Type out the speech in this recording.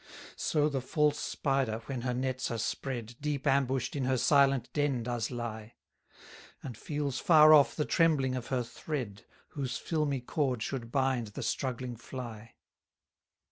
180 So the false spider, when her nets are spread, Deep ambush'd in her silent den does lie: And feels far off the trembling of her thread, Whose filmy cord should bind the struggling fly.